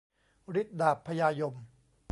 ฤทธิ์ดาบพญายม